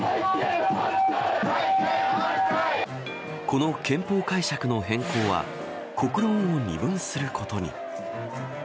この憲法解釈の変更は国論を二分することに。